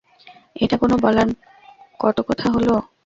এটা কোনো বলার কতো কথা হলো?